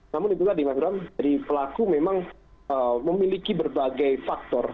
namun itulah dimengerti pelaku memang memiliki berbagai faktor